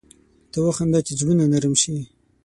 ته وخانده چي زړونه نرم شي